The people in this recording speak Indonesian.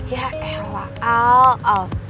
ya elah al